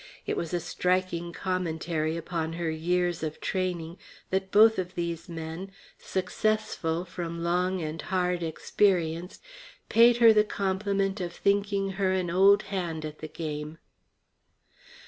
It was a striking commentary upon her years of training that both of these men, successful from long and hard experience, paid her the compliment of thinking her an old hand at the game.